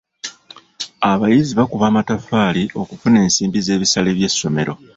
Abayizi bakuba amataffaali okufuna ensimbi z'ebisale by'essomero.